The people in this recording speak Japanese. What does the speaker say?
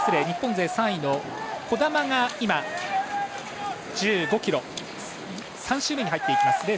日本勢３位の児玉が１５ｋｍ、３周目に入ります。